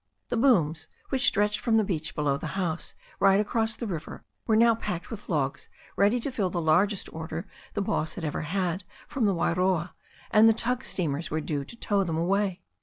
The booms, which stretched from the beach below the house right across the river, were now packed with logs ready to fill the largest order the boss had ever had from the Wairoa, and the tug steamers were due to tow them away.